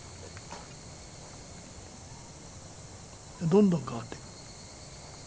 どんどん変わっていく。